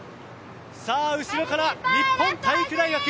後ろから日本体育大学。